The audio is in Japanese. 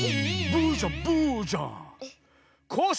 ブーじゃんブーじゃん。